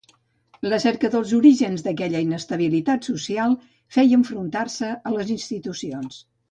La cerca dels orígens d'aquella inestabilitat social feia enfrontar-se a les institucions.